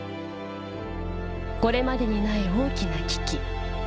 これまでにない大きな危機